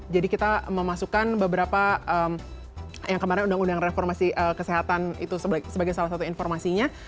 jadi kita memasukkan beberapa yang kemarin undang undang reformasi kesehatan itu sebagai salah satu informasinya